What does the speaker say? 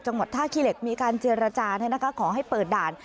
จังหวัดท่าขี้เหล็กมีการเจรจาขอให้เปิดด่าน